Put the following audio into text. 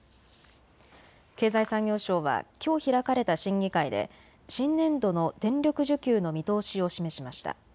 経済産業省はきょう開かれた審議会で新年度の電力需給の見通しを示しました。